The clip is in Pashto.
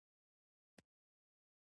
ډېر به درپسې شي لېوني ياره